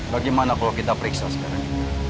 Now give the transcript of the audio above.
bagaimana kalau kita periksa sekarang